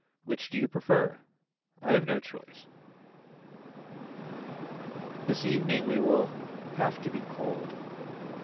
Which do you prefer. I have no choice. This evening we will have to be cold.